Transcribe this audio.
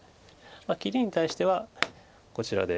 切りに対してはこちらで。